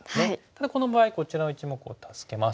ただこの場合こちらの１目を助けます。